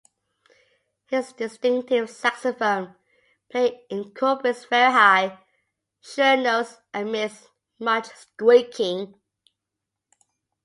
His distinctive saxophone playing incorporates very high, shrill notes amidst much squeaking.